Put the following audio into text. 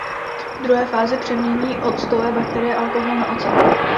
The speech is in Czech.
V druhé fázi přemění octové bakterie alkohol na ocet.